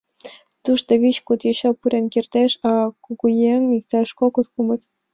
Тушко вич-куд йоча пурен кертеш, а кугыеҥ — иктаж кокыт-кумыт.